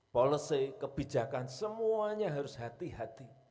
policy kebijakan semuanya harus hati hati